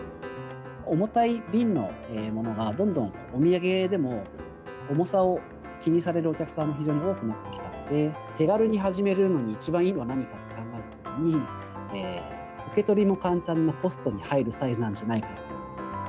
重たい瓶のものがどんどんお土産でも、重さを気にされるお客さんが非常に多くなってきたので、手軽に始めるのに一番いいのは何かと考えたときに、受け取りも簡単なポストに入るサイズなんじゃないかと。